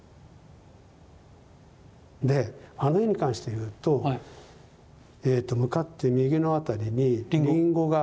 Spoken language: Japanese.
であの絵に関して言うと向かって右の辺りにリンゴが。